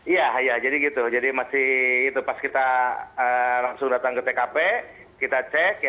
iya iya jadi gitu jadi masih itu pas kita langsung datang ke tkp kita cek